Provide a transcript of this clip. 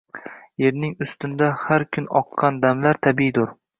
Yerning ustinda har kun oqqan damlar tabiiydur